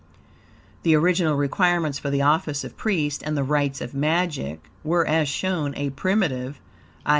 The original requirements for the office of priest, and the rites of magic, were, as shown, a primitive, i.